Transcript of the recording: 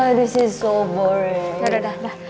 ini sangat membosankan